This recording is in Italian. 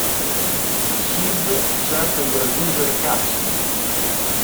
Sid cerca di raggiungere Cassie.